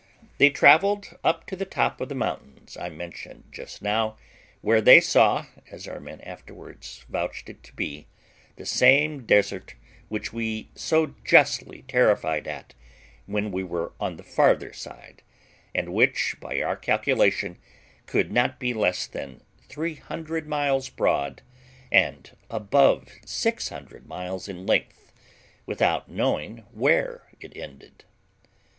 They travelled up to the top of the mountains I mentioned just now, where they saw (as our men afterwards vouched it to be) the same desert which we were so justly terrified at when we were on the farther side, and which, by our calculation, could not be less than 300 miles broad and above 600 miles in length, without knowing where it ended.